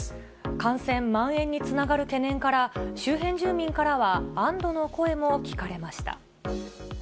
感染まん延につながる懸念から、周辺住民からは安どの声も聞かれました。